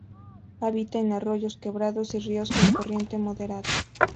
Habita en arroyos, quebradas y ríos con corriente moderada.